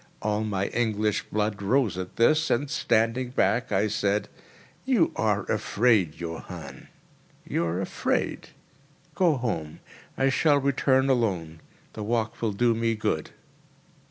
All my English blood rose at this, and, standing back, I said: "You are afraid, Johann—you are afraid. Go home; I shall return alone; the walk will do me good."